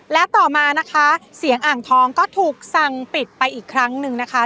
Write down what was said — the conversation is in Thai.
และต่อมานะคะเสียงอ่างทองก็ถูกสั่งปิดไปอีกครั้งหนึ่งนะคะ